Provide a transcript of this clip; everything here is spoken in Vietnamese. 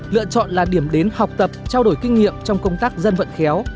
lựa chọn là điểm đến học tập trao đổi kinh nghiệm trong công tác dân vận khéo